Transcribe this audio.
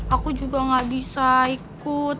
aku juga gak bisa ikut